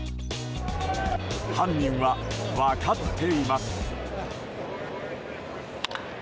犯人は、分かっています。